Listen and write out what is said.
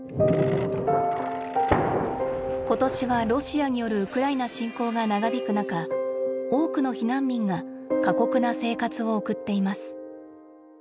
今年はロシアによるウクライナ侵攻が長引く中多くの避難民が過酷な生活を送っています。